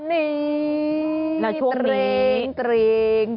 ปีภาษ